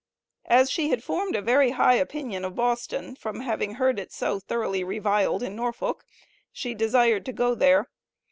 As she had formed a very high opinion of Boston, from having heard it so thoroughly reviled in Norfolk, she desired to go there.